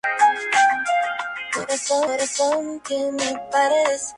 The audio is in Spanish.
El torneo de Segunda División cambió de formato para esta temporada.